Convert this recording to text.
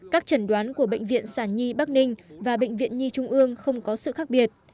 các trần đoán của bệnh viện sản nhi bắc ninh và bệnh viện nhi trung ương không có sự khác biệt